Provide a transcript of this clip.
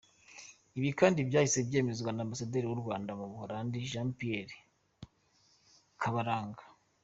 Ibi kandi byahise byemezwa n’Ambasaderi w’u Rwanda mu Buholandi Jean Pierre Kabaranga.